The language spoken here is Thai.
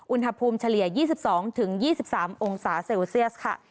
อุณหภูมิเฉลี่ย๒๒๒๓องศาเซลเซียสค่ะ